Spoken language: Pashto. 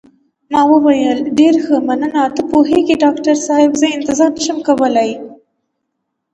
ما وویل: ډېر ښه، مننه، ته پوهېږې ډاکټر صاحبه، زه انتظار نه شم کولای.